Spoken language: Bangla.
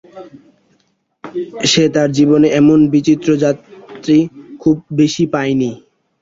সে তার জীবনে এমন বিচিত্র যাত্রী খুব বেশি পায় নি।